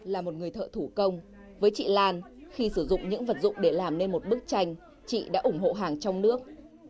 là một người thợ thủ công với chị lan khi sử dụng những vật dụng để làm nên một bức tranh chị đã ủng hộ hàng trong nước